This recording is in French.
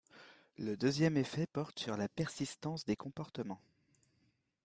Le deuxième effet porte sur la persistance des comportements.